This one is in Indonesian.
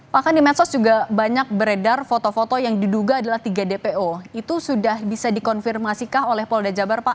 bahkan di medsos juga banyak beredar foto foto yang diduga adalah tiga dpo itu sudah bisa dikonfirmasikah oleh polda jabar pak